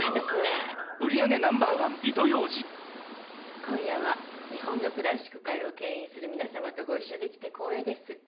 今夜は日本のクラシック界をけん引する皆さまとご一緒できて光栄です